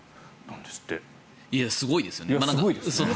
すごいですよね。